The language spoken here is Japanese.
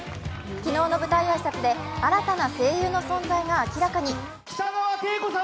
昨日の舞台挨拶で新たな声優の存在が明らかに。